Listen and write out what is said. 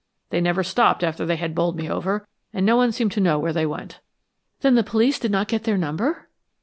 They never stopped after they had bowled me over, and no one seemed to know where they went." "Then the police did not get their number?"